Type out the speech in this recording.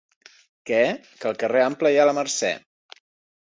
Què? —Que al carrer Ample hi ha la Mercè.